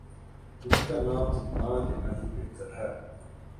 ان کا نام تو نہ لینا ہی بہتر ہے۔